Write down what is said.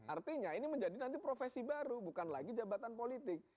artinya ini menjadi nanti profesi baru bukan lagi jabatan politik